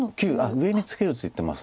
上にツケろって言ってます。